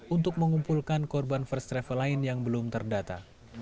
untuk mengumpulkan korban first travel lain yang belum terdata